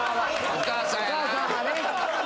お母さんだ。